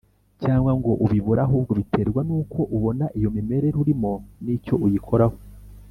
cyangwa ngo ubibure Ahubwo biterwa n uko ubona iyo mimerere urimo n icyo uyikoraho